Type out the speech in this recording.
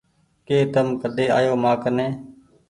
ڪه تم ڪۮي آيو مآ ڪني